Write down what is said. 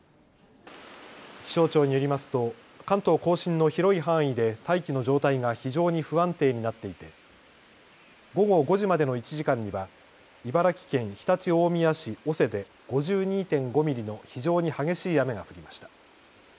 気象庁によりますと関東甲信の広い範囲で大気の状態が非常に不安定になっていて午後５時までの１時間には茨城県常陸大宮市小瀬で５２．５ミリの非常に激しい雨が降りました。